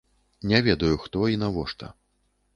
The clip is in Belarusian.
Не ведаю, хто і навошта.